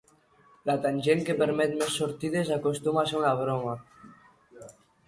La tangent que permet més sortides acostuma a ser una broma.